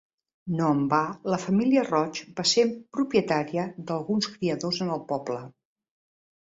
No en va la família Roig va ser propietària d'alguns criadors en el poble.